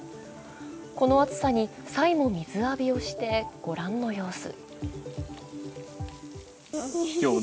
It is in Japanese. この暑さにサイも水浴びをしてご覧の様子。